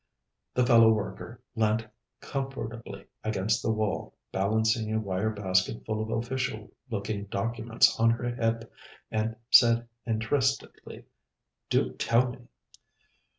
The fellow worker leant comfortably against the wall, balancing a wire basket full of official looking documents on her hip, and said interestedly: "Do tell me."